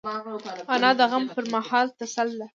انا د غم پر مهال تسل ده